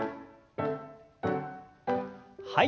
はい。